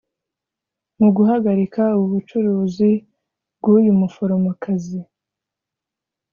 Mu guhagarika ubu bucuruzi bw;uyu muforomokazi